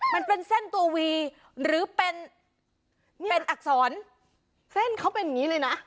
มันเป็นเส้นตัววีหรือเป็นอักษรเส้นเขาเป็นอย่างนี้เลยนะ